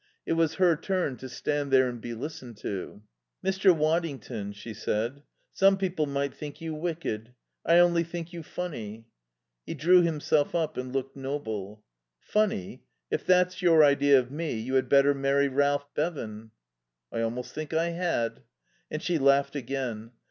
It was her turn to stand there and be listened to. "Mr. Waddington," she said, "some people might think you wicked. I only think you funny." He drew himself up and looked noble. "Funny? If that's your idea of me, you had better marry Ralph Bevan." "I almost think I had." And she laughed again.